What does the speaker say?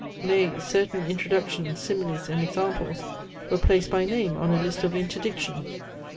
Nay certain introductions, similes, and examples, were placed by name on a list of interdiction.